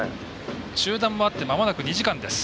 中断もあってまもなく２時間です。